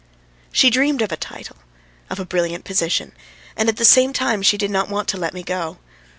..." She dreamed of a title, of a brilliant position, and at the same time she did not want to let me go.